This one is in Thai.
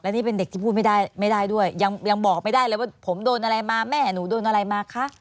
นี่เป็นเด็กที่พูดไม่ได้ไม่ได้ด้วยยังบอกไม่ได้เลยว่าผมโดนอะไรมาแม่หนูโดนอะไรมาคะ